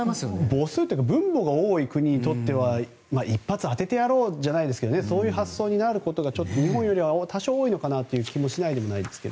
母数というか分母が多い国にとっては一発当ててやろうじゃないですがそういう発想になることが日本よりは多少多いのかなという気がしないでもないですが。